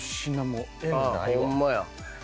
ホンマや。